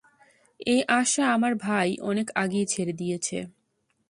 এই আশা আমার ভাই অনেক আগেই ছেড়ে দিয়েছে।